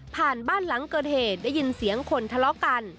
บ้านหลังเกิดเหตุได้ยินเสียงคนทะเลาะกัน